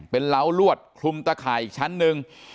เป็นล้าลวดคลุมตะข่ายอีกชั้นหนึ่ง